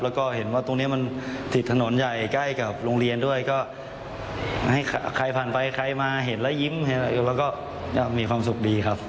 แล้วก็เห็นว่าตรงนี้มันติดถนนใหญ่ใกล้กับโรงเรียนด้วยก็ให้ใครผ่านไปใครมาเห็นแล้วยิ้มเห็นแล้วก็จะมีความสุขดีครับ